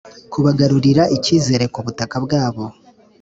kubagarurira icyizere ku butaka bwabo